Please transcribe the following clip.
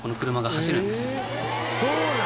そうなん！？